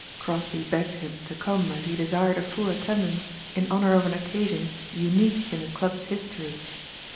Crosbeigh begged him to come as he desired a full attendance in honor of an occasion unique in the club's history.